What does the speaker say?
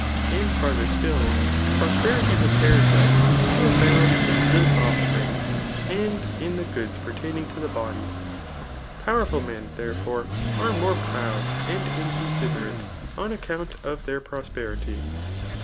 And &rtber sdtl, prosperity prepares us to abound in a good ofispring, and in the goods pertaining to the body. Powerful men, therefore, are more proud and inconsiderate, on account of their prosperity.